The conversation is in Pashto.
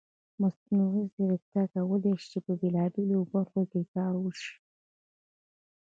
مصنوعي ځیرکتیا کولی شي په بېلابېلو برخو کې کار وشي.